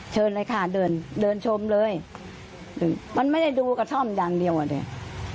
เชิญเลยค่ะเดินเดินชมเลยมันไม่ได้ดูกระท่อมอย่างเดียวอ่ะเนี่ย